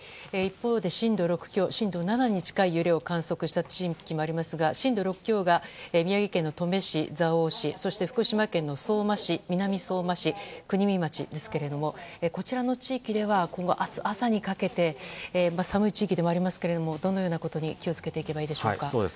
一方で、震度６強震度７に近い揺れを観測した地域もありますが震度６強が宮城県の登米市、蔵王町そして福島県の相馬市南相馬市、国見町ですがこちらの地域では明日朝にかけて寒い地域ではありますがどのようなことに気を付けていけばいいでしょうか。